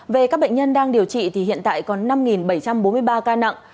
về các bệnh nhân đang điều trị thì hiện tại còn năm bảy trăm bốn mươi ba ca nặng